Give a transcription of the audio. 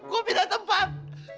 kok pindah tempat